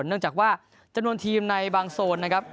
เนื่องจากว่าจำนวนทีมในบางโซนนะครับ